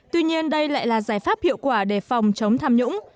tuy nhiên đây lại là giải pháp hiệu quả để phòng chống tham nhũng